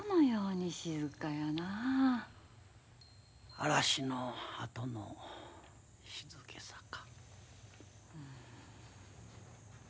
嵐のあとの静けさか。